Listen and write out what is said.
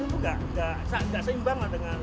itu enggak seimbang dengan